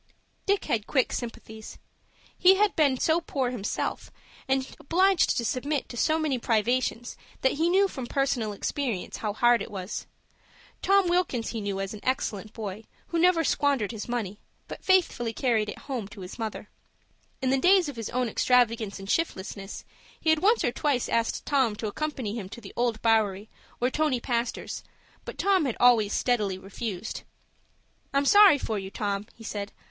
Dick had quick sympathies. He had been so poor himself, and obliged to submit to so many privations that he knew from personal experience how hard it was. Tom Wilkins he knew as an excellent boy who never squandered his money, but faithfully carried it home to his mother. In the days of his own extravagance and shiftlessness he had once or twice asked Tom to accompany him to the Old Bowery or Tony Pastor's, but Tom had always steadily refused. "I'm sorry for you, Tom," he said.